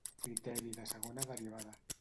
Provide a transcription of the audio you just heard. Criteri de la Segona Derivada.